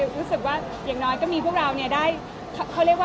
คุณแม่กขาวใเลยค่ะ